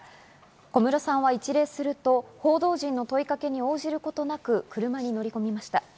小室さんは一礼すると報道陣の問いかけに応じることなく車に乗り込みました。